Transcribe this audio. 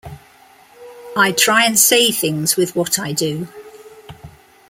I try and say things with what I do.